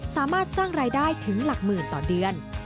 สร้างรายได้ถึงหลักหมื่นต่อเดือน